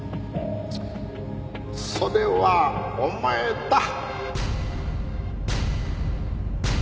それはお前だ。